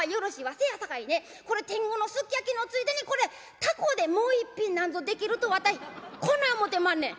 せやさかいねこれ天狗のすき焼きのついでにこれタコでもう一品なんぞできるとわたいこない思てまんねん」。